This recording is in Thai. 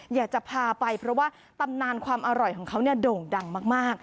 อยากจะพาไปเพราะว่าตำนานความอร่อยของเขาโด่งดังมาก